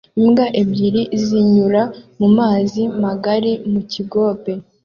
Imbwa ebyiri zinyura mu mazi magari mu kigobe